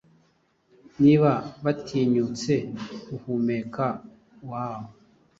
Niba batinyutse guhumeka, woah)